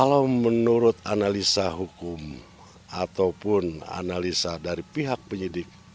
kalau menurut analisa hukum ataupun analisa dari pihak penyidik